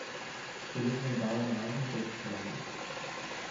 She lives on Bowen Island, British Columbia.